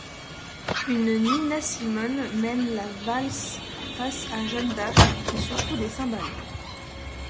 Une Nina Simone mène la valse face à Jeanne d'Arc qui secoue des cymbales.